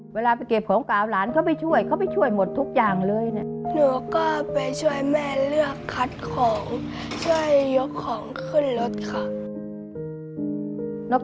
เวลาไปเก็บของเก่าหลานเค้าไปช่วยเค้าไปช่วยหมดทุกอย่างเลยเนี่ย